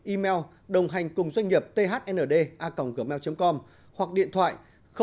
email đồnghanhcungdoanhnghiệpthnda gmail com hoặc điện thoại hai trăm bốn mươi ba hai trăm sáu mươi sáu chín nghìn năm trăm linh ba